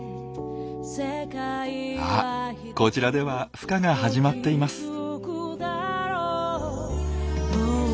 あっこちらではふ化が始まっています。